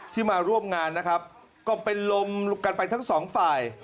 มาร่วมงานนะครับก็เป็นลมกันไปทั้งสองฝ่าย